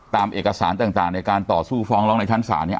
ตามเอกสารต่างในการต่อสู้ฟ้องร้องในชั้นศาลเนี่ย